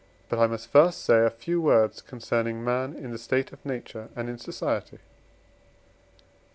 But I must first say a few words concerning man in the state of nature and in society.